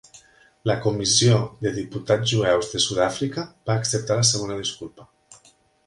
La Comissió de Diputats Jueus de Sud-àfrica va acceptar la segona disculpa.